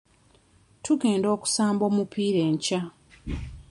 Tugenda okusamba omupiira enkya.